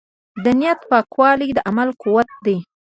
د نیت پاکوالی د عمل قوت دی.